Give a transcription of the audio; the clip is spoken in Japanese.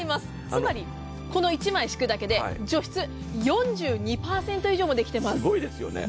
つまりこの１枚敷くだけで除湿４２％以上もできています。